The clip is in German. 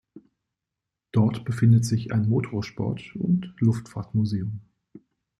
Dort befindet sich ein Motorsport- und Luftfahrtmuseum.